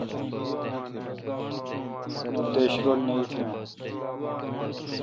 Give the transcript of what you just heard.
مہ دیش رل نہ ایتھیوں۔